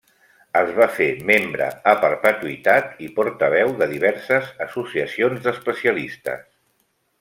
Es va fer membre a perpetuïtat i portaveu de diverses associacions d'especialistes.